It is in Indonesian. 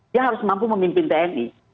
dia harus mampu memimpin tni